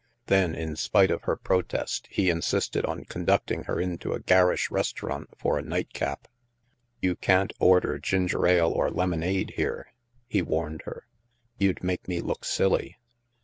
Then, in spite of her protest, he insisted on conducting her into a garish restaurant for a " night cap." You can't order ginger ale or lemonade here," he warned her. " You'd make me look silly."